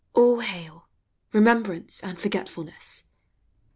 All hail, Remembrance and Forgetfulness